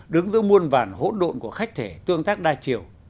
đứng giữa muôn vàn hỗn độn của khách thể tương tác đa chiều